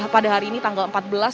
pada hari ini tanggal empat belas